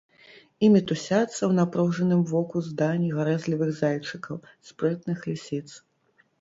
І мітусяцца ў напружаным воку здані гарэзлівых зайчыкаў, спрытных лісіц.